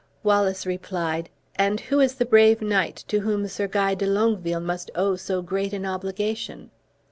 Wallace replied: "And who is the brave knight to whom Sir Guy de Longueville must owe so great an obligation?"